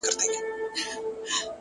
د وطن گل بوټي و نه مري له تندې _